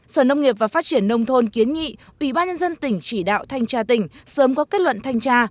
sở nông nghiệp và phát triển nông thôn kiến nghị ubnd tỉnh chỉ đạo thanh tra tỉnh sớm có kết luận thanh tra